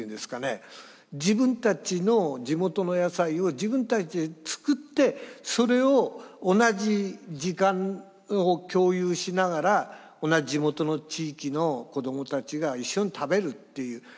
自分たちの地元の野菜を自分たちで作ってそれを同じ時間を共有しながら同じ地元の地域の子どもたちが一緒に食べるっていう。